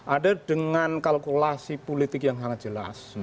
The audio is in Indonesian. ada dengan kalkulasi politik yang sangat jelas